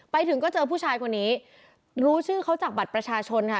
ไปถึงก็เจอผู้ชายคนนี้รู้ชื่อเขาจากบัตรประชาชนค่ะ